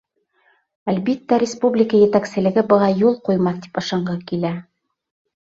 Әлбиттә, республика етәкселеге быға юл ҡуймаҫ тип ышанғы килә.